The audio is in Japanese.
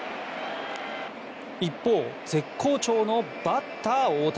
一方、絶好調のバッター大谷。